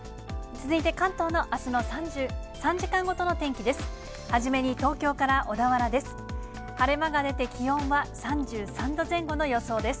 続いて関東のあすの３時間ごとの天気です。